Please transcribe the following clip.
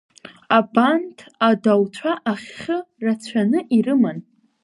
Абанҭ адауцәа ахьы рацәаны ирыман.